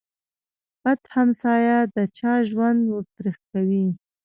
بد همسایه د چا ژوند ور تريخ کوي.